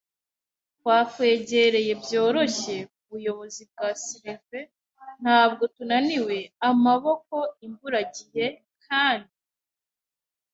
Twakwegereye byoroshye, kubuyobozi bwa silver, ntabwo tunaniwe amaboko imburagihe, kandi